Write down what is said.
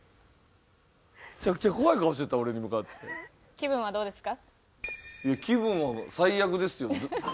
気分はどうですか？